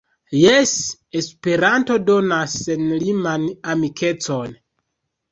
Jes, Esperanto donas senliman amikecon!